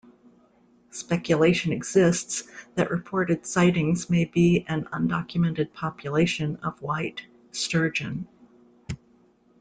Speculation exists that reported sightings may be an undocumented population of white sturgeon.